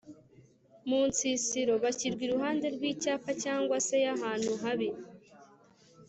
munsisiro=bishyirwa iruhande rw’icyapa cg se y’ahantu habi